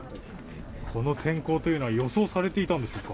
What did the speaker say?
この天候というのは予想されていたんでしょうか？